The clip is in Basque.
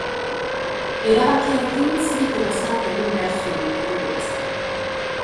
Erabakiarekin zirt edo zart egin behar zuen, derrigorrez.